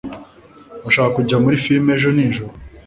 Urashaka kujya muri firime ejo nijoro